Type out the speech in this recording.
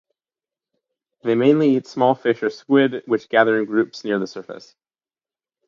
They mainly eat small fish or squid which gather in groups near the surface.